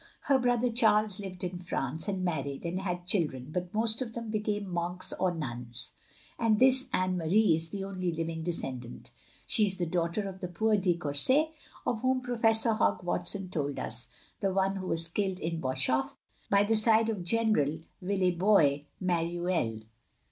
"Her brother Charles lived in France, and married, and had children, but most of them became monks or nuns. And this Anne Marie is the only living descendant. She is the daugh ter of the poor de Courset of whom Professor Hogg Watson told us, the one who was killed at Boshof, by the side of General de Villebois Mareuil.